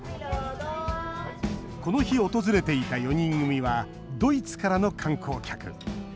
この日、訪れていた４人組はドイツからの観光客。